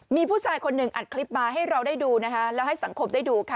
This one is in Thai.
มีผู้ชายคนหนึ่งอัดคลิปมาให้เราได้ดูนะคะแล้วให้สังคมได้ดูค่ะ